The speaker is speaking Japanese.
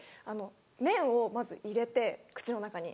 麺をまず入れて口の中に。